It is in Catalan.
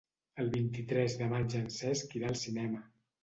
El vint-i-tres de maig en Cesc irà al cinema.